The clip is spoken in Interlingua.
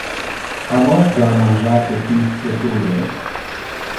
Ha vos ja mangiate pisce crude?